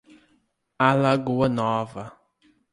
Alagoa Nova